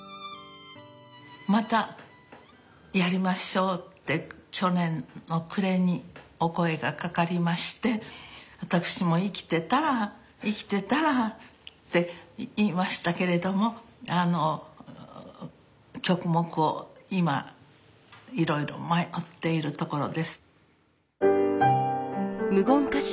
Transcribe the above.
またやりましょうって去年の暮れにお声がかかりまして私も生きてたら生きてたらって言いましたけれどもあの曲目を今いろいろ迷っているところです。